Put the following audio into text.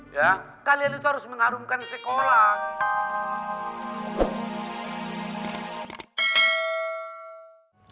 ya kalian itu harus mengharumkan sekolah